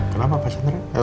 kenapa pak sandra